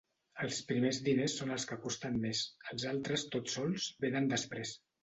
Els primers diners són els que costen més; els altres tots sols venen després.